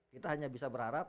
kita hanya bisa berharap